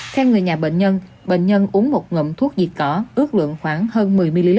theo người nhà bệnh nhân bệnh nhân uống một ngậm thuốc diệt cỏ ước lượng khoảng hơn một mươi ml